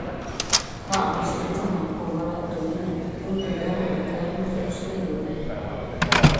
Kā visredzamāko varētu minēt pilna garuma tēmēkļu sliedi.